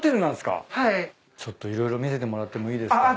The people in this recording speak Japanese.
ちょっと色々見せてもらってもいいですか？